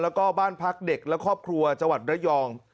แล้วก็บ้านพักเด็กและครอบครัวจังหวัดระยอง